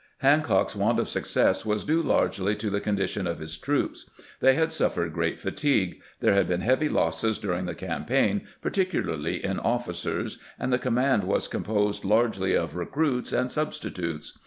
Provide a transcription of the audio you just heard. Hancock's want of success was due largely to the con dition of his troops. They had suffered great fatigue ; there had been heavy losses during the campaign, par ticularly in officers, and the command was composed largely of recruits and substitutes.